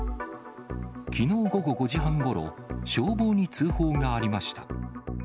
きのう午後５時半ごろ、消防に通報がありました。